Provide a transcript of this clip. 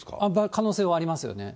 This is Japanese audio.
可能性はありますよね。